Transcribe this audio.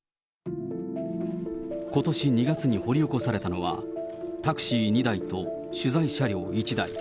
ことし２月に掘り起こされたのは、タクシー２台と、取材車両１台。